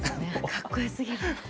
かっこよすぎ。